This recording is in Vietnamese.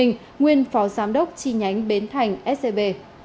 nguyễn phó giám đốc chi nhánh bến thành scb